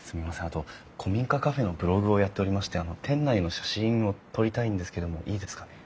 あと古民家カフェのブログをやっておりまして店内の写真を撮りたいんですけどもいいですかね？